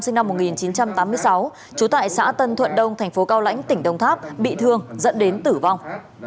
sinh năm một nghìn chín trăm tám mươi sáu trú tại xã tân thuận đông thành phố cao lãnh tỉnh đồng tháp bị thương dẫn đến tử vong